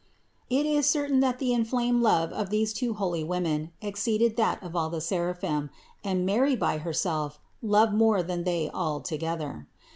It is certain that the inflamed love of these two holy women exceeded that of all the seraphim, and Mary by Herself loved more than they all together.